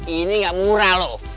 ini gak murah loh